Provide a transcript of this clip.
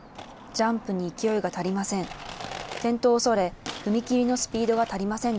ジャンプに勢いが足りません。